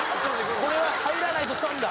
「これは入らないと損だ！」